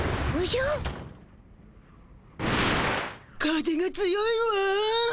風が強いわ。